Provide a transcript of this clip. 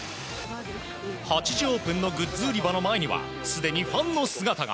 ８時オープンのグッズ売り場の前にはすでにファンの姿が。